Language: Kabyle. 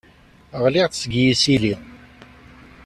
Ɣliɣ-d seg yisili?